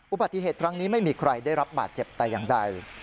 อุบัติเหตุครั้งนี้ไม่มีใครได้รับบาดเจ็บแต่อย่างใด